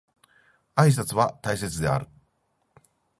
挨拶は大切である